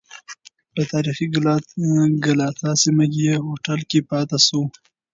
په تاریخی ګلاټا سیمه کې یې هوټل کې پاتې شو.